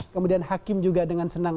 kemudian hakim juga dengan senang